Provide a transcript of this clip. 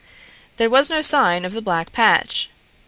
There was no sign of the black patch.